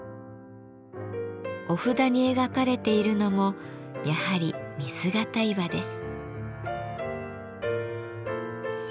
お札に描かれているのもやはり御姿岩です。